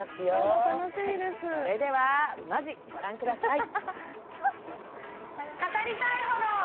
それでは、マジ御覧ください。